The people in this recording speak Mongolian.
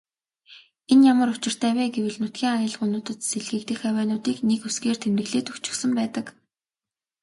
Энэ ямар учиртай вэ гэвэл нутгийн аялгуунуудад сэлгэгдэх авиануудыг нэг үсгээр тэмдэглээд өгчихсөн байдаг.